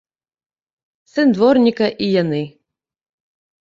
Сын дворніка і яны.